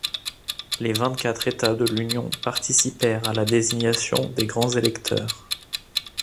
Les vingt-quatre États de l'Union participèrent à la désignation des grands électeurs.